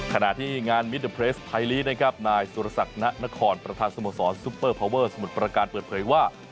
ขณะที่งานมิเตอร์เพลสไทยลีกนะครับนายสุรศักดิ์ณนครประธานสโมสรซุปเปอร์พาวเวอร์สมุทรประการเปิดเผยว่า